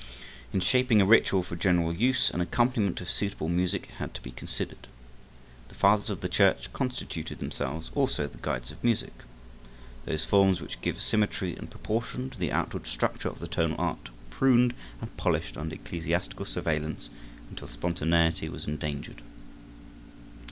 In shaping a ritual for general use, an accompaniment of suitable music had to be considered. The fathers of the church constituted themselves also the guides of music. Those forms which give symmetry and proportion to the outward structure of the tonal art were pruned and polished under ecclesiastical surveillance until spontaneity was endangered.